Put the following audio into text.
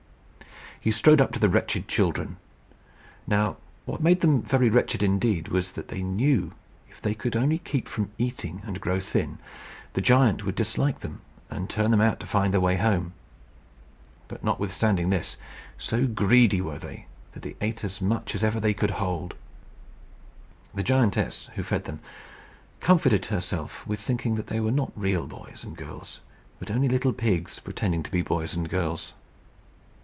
He strode up to the wretched children. Now, what made them very wretched indeed was, that they knew if they could only keep from eating, and grow thin, the giant would dislike them, and turn them out to find their way home; but notwithstanding this, so greedy were they, that they ate as much as ever they could hold. The giantess, who fed them, comforted herself with thinking that they were not real boys and girls, but only little pigs pretending to be boys and girls.